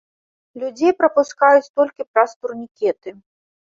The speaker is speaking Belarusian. Людзей прапускаюць толькі праз турнікеты.